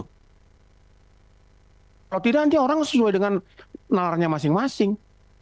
kalau tidak nanti orang sesuai dengan nalarnya masing masing